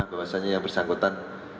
bahwasannya yang bersangkutan